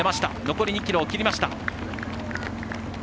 残り２ｋｍを切りました。